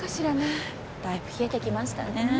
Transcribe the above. だいぶ冷えてきましたね。